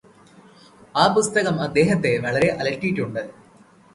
ആ പുസ്തകം അദ്ദേഹത്തെ വളരെ അലട്ടിയിട്ടുണ്ട്